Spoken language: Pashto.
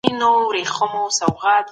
ته نه پوهیږې چي په راتلونکي کي څه کیږي.